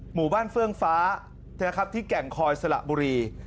หมู่บ้านเฟื่องฟ้านะครับที่แก่งคอยสระบุรี